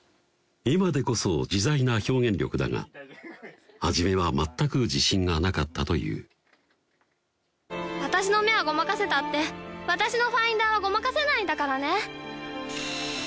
今でこそ自在な表現力だが初めは全く自信がなかったという「私の目はごまかせたって私のファインダーはごまかせないんだからね」